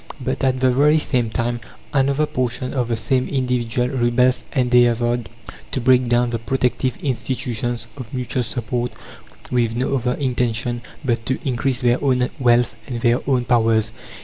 But at the very same time, another portion of the same individual rebels endeavoured to break down the protective institutions of mutual support, with no other intention but to increase their own wealth and their own powers.